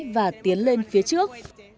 và tiến lên phía trước